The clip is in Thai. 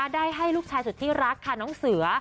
ได้ให้ลูกชายสุดที่รักค่ะน้องเสือ